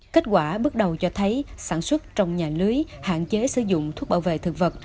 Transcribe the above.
kết quả bước đầu cho thấy sản xuất trong nhà lưới hạn chế sử dụng thuốc bảo vệ thực vật